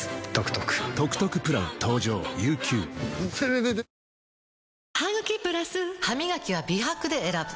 わかるぞハミガキは美白で選ぶ！